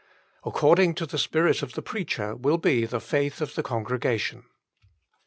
According to the spirit of the preacher will be the faith of the congregation.